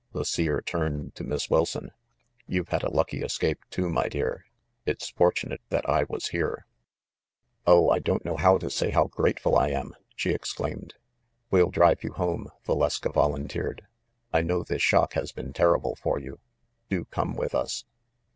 The Seer turned to Miss Wilson. "You've had a lucky escape, too, my dear. It's fortunate that I was here." "Oh, I don't know how to say how grateful I am !" she exclaimed. "We'll drive you home," Valeska volunteered. "I know this shock has been terrible for you. Do come with us